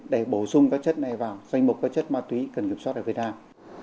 để bổ sung các chất này vào danh mục các chất ma túy cần kiểm soát ở việt nam